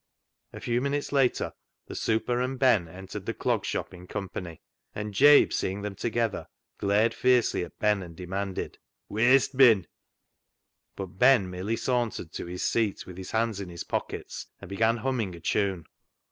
A few minutes later the " super " and Ben entered the Clog Shop in company, and Jabe seeing them together, glared fiercely at Ben and demanded —" Weer'st bin ?" But Ben merely sauntered to his seat with his hands in his pockets, and began humming a tune.